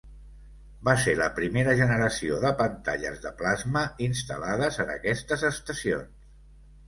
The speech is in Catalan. Va ser la primera generació de pantalles de plasma instal·lades en aquestes estacions.